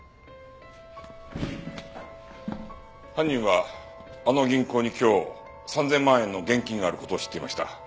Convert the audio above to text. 犯人はあの銀行に今日３０００万円の現金がある事を知っていました。